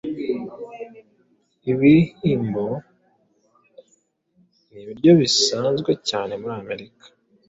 Ibihyimbo nibiryo bikunzwe cyane muri Amerika